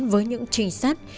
với những trinh sát